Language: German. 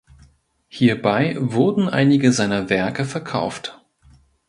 Hierbei wurden einige seiner Werke verkauft.